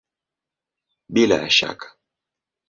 Bila ya shaka!